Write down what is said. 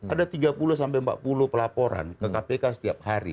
ada tiga puluh sampai empat puluh pelaporan ke kpk setiap hari